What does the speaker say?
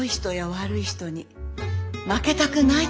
悪い人に負けたくない。